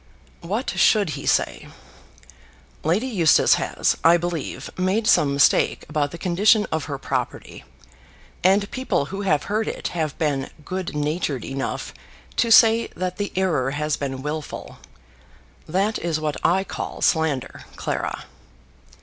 "What should he say? Lady Eustace has, I believe, made some mistake about the condition of her property, and people who have heard it have been good natured enough to say that the error has been wilful. That is what I call slander, Clara."